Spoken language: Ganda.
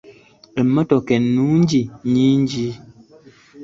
Emmotoka ennungi nyingi.